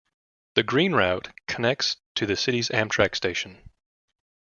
The Green Route connects to the City's Amtrak station.